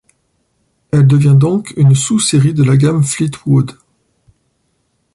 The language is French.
Elle devient donc une sous-série de la gamme Fleetwood.